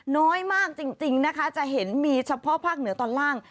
น้อยมากจริงนะคะจะเห็นมีเฉพาะภาคเหนือตอนล่าง